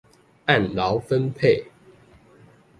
按勞分配